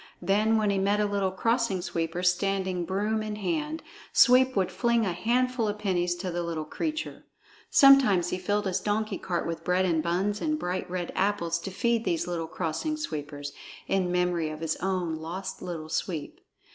Then when he met a little Crossing Sweeper standing broom in hand, Sweep would fling a handful of pennies to the little creature. Sometimes he filled his donkey cart with bread and buns and bright red apples to feed these little Crossing Sweepers, in memory of his own lost Little Sweep.